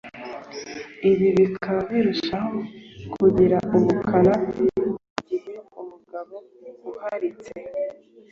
ibi bikaba birushaho kugira ubukana mu gihe umugabo uharitse